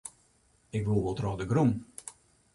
Ik woe wol troch de grûn.